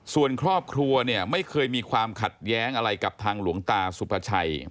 ส่วนครอบครัวเนี่ยไม่เคยมีความขัดแย้งอะไรกับทางหลวงตาสุภาชัย